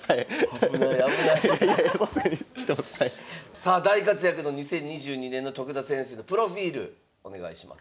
さあ大活躍の２０２２年の徳田先生のプロフィールお願いします。